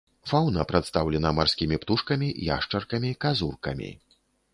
Фаўна прадстаўлена марскімі птушкамі, яшчаркамі, казуркамі.